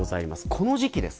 この時季です。